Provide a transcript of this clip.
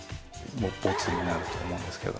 ぼつになると思うんですけど。